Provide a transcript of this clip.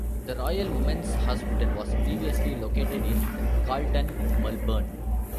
The Royal Women's Hospital was previously located in Carlton, Melbourne.